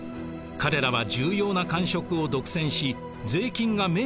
彼らは重要な官職を独占し税金が免除されていました。